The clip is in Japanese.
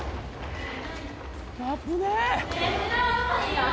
危ねえ。